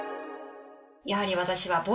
やはり私は。